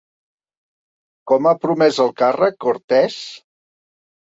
Com ha promès el càrrec Cortès?